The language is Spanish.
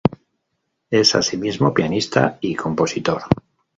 Es asimismo pianista y compositor.